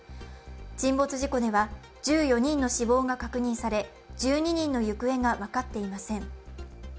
沈没事故では１４人の死亡が確認され１２人の行方が分かっていません。